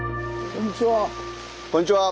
・こんにちは。